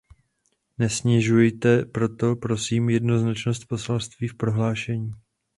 Nesnižujte proto, prosím, jednoznačnost poselství v prohlášení.